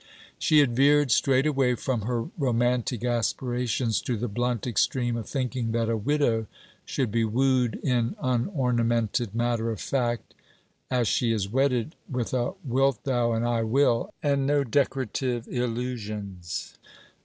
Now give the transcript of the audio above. She had veered straight away from her romantic aspirations to the blunt extreme of thinking that a widow should be wooed in unornamented matter of fact, as she is wedded, with a 'wilt thou,' and 'I will,' and no decorative illusions.